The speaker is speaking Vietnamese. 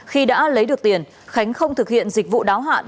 khi đã lấy được tiền khánh không thực hiện dịch vụ đáo hạn